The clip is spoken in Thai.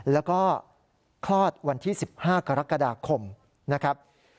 แล้วก็คลอดวันที่๑๕กรกฎาคมนะครับ